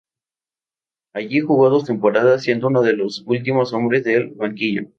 Allí jugó dos temporadas, siendo uno de los últimos hombres del banquillo.